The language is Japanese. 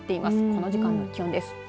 この時間の気温です。